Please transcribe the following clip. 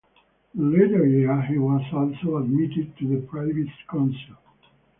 The latter year he was also admitted to the Privy Council.